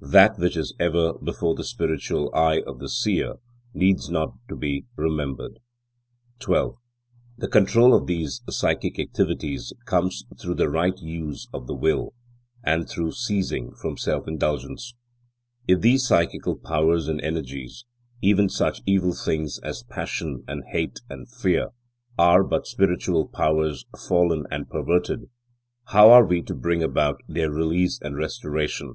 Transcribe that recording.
That which is ever before the spiritual eye of the Seer needs not to be remembered. 12. The control of these psychic activities comes through the right use of the will, and through ceasing from self indulgence. If these psychical powers and energies, even such evil things as passion and hate and fear, are but spiritual powers fallen and perverted, how are we to bring about their release and restoration?